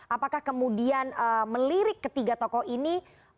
apakah kemudian melirik ketiga tokoh ini